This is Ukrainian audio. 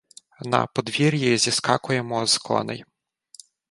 На подвір'ї зіскакуємо з коней.